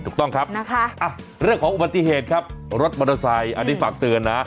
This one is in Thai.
ถูกต้องครับนะคะเรื่องของอุบัติเหตุครับรถมอเตอร์ไซค์อันนี้ฝากเตือนนะ